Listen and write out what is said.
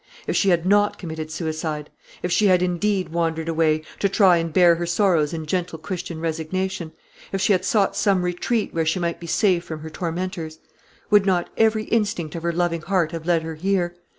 If she had not committed suicide; if she had indeed wandered away, to try and bear her sorrows in gentle Christian resignation; if she had sought some retreat where she might be safe from her tormentors, would not every instinct of her loving heart have led her here?